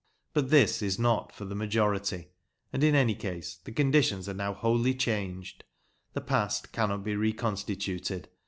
But this is not for the majority, and, in any case, the conditions are now wholly changed the past cannot be reconstituted.